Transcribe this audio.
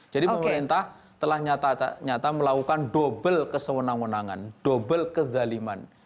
jadi pemerintah telah nyata nyata melakukan dobel kesewenang wenangan dobel kezaliman